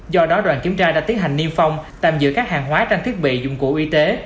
do đó đoàn kiểm tra đã tiến hành niêm phong tạm giữ các hàng hóa trang thiết bị dụng cụ y tế